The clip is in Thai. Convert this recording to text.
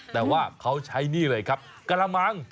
แต่ว่าเขาใช้นี่เลยครับกระมัง